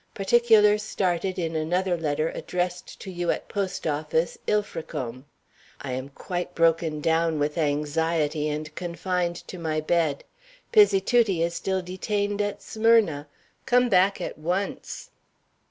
Particulars stated in another letter addressed to you at Post office, Ilfracombe. I am quite broken down with anxiety, and confined to my bed. Pizzituti is still detained at Smyrna. Come back at once."